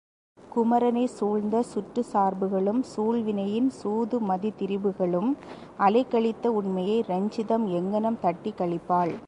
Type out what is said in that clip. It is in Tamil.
குமரனைச் சூழ்ந்த சுற்றுச் சார்புகளும் சூழ் வினையின் சூதுமதித் திரிபுகளும் அலைக்கழித்த உண்மையை ரஞ்சிதம் எங்ஙனம் தட்டிக் கழிப்பாள்?...